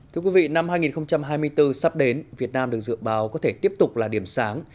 thưa quý vị năm hai nghìn hai mươi bốn sắp đến việt nam được dự báo có thể tiếp tục là điểm sáng